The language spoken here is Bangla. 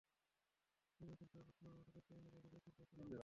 তিনি এখন শাহবাগ থানার মতো গুরুত্বপূর্ণ জায়গায় ওসির দায়িত্ব পালন করছেন।